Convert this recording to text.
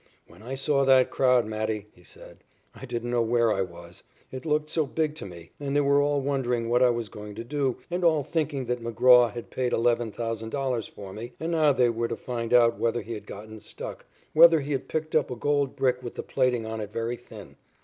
"When I saw that crowd, Matty," he said, "I didn't know where I was. It looked so big to me, and they were all wondering what I was going to do, and all thinking that McGraw had paid $11,000 for me, and now they were to find out whether he had gotten stuck, whether he had picked up a gold brick with the plating on it very thin.